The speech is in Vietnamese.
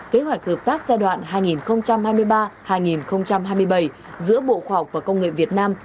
kế hoạch hợp tác giai đoạn hai nghìn hai mươi ba hai nghìn hai mươi bảy giữa bộ khoa học và công nghệ việt nam